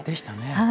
はい。